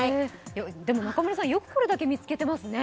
でも中村さん、よくこれだけ見つけてますね。